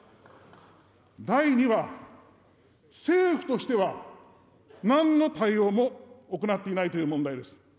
第２は、政府としては、なんの対応も行っていないという問題です。